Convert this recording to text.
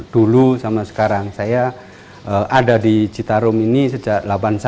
dulu sama sekarang saya ada di citarum ini sejak seribu delapan ratus sembilan puluh